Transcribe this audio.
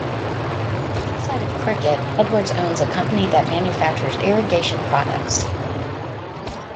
Outside of cricket Edwards owns a company that manufactures irrigation products.